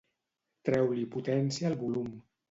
Treu-li potència al volum.